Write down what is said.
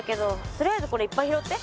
とりあえずこれいっぱい拾って。